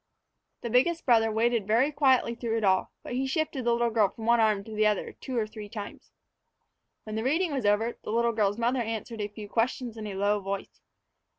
The biggest brother waited very quietly through it all, but he shifted the little girl from one arm to the other two or three times. When the reading was over, the little girl's mother answered a few questions in a low voice.